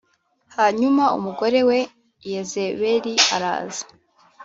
Hanyuma umugore we Yezebeli araza